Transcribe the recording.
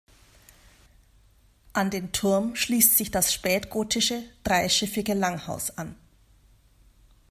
An den Turm schließt sich das spätgotische, dreischiffige Langhaus an.